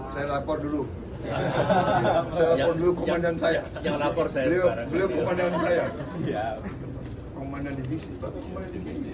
saya lapor dulu saya lapor dulu komandan saya beliau komandan saya